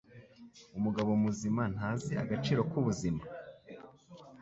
Umugabo muzima ntazi agaciro k'ubuzima.